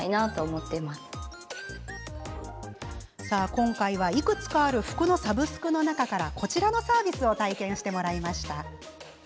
今回は、いくつかある服のサブスクの中からこちらのサービスを体験してもらいました。